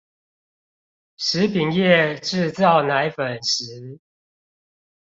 食品業製造奶粉時